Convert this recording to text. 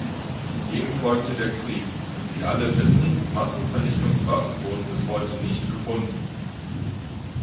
Dem folgte der Krieg, und Sie alle wissen, Massenvernichtungswaffen wurden bis heute nicht gefunden.